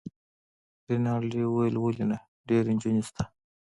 رینالډي وویل: ولي نه، ډیرې نجونې شته.